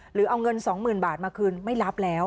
หรือเอาเงิน๒๐๐๐บาทมาคืนไม่รับแล้ว